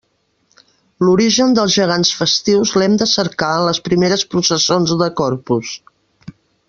L'origen dels gegants festius l'hem de cercar en les primeres processons de Corpus.